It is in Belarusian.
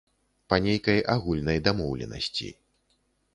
Па нейкай агульнай дамоўленасці.